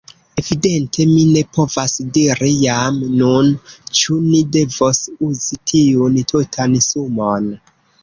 Evidente mi ne povas diri jam nun, ĉu ni devos uzi tiun tutan sumon.